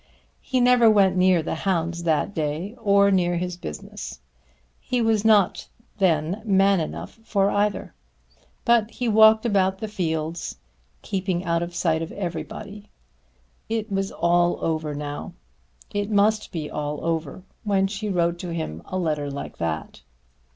He never went near the hounds that day or near his business. He was not then man enough for either. But he walked about the fields, keeping out of sight of everybody. It was all over now. It must be all over when she wrote to him a letter like that.